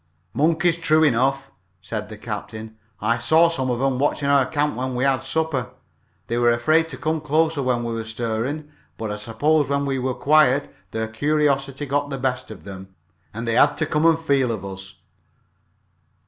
"Monkeys, true enough," said the captain. "I saw some of 'em watching our camp when we had supper. They were afraid to come close when we were stirring, but I suppose when we were quiet their curiosity got the best of them, and they had to come and feel of us."